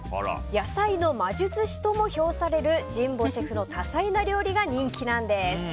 野菜の魔術師とも評される神保シェフの多彩な料理が人気なんです。